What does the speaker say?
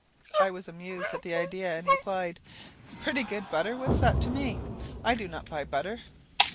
I was amused at the idea, and replied, "Pretty good butter! What is that to me? I do not buy butter."